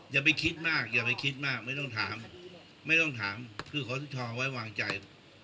อย่าไปคิดมากไม่ต้องถามคือขอสะชอบไว้วางใจ